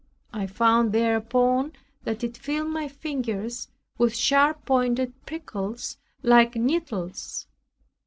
I found thereupon that it filled my fingers with sharp pointed prickles like needles.